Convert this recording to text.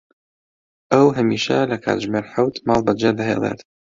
ئەو هەمیشە لە کاتژمێر حەوت ماڵ بەجێ دەهێڵێت.